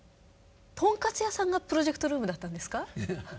とんかつ屋さんがプロジェクトルームだったんですか？